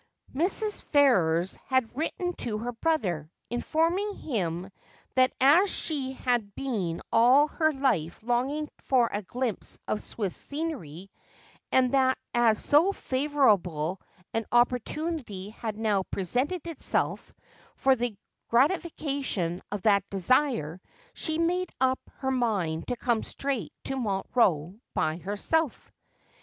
Mrs. Ferrers had written to her brother, informing him that as she had been all her life longing for a glimpse of Swiss scenery, and that as so favourable an opportunity had now presented itself for the gratification of that desire, she had made up her mind to come straight to Montreux by herself.